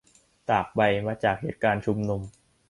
ตากใบ มาจากเหตุการณ์ชุมนุม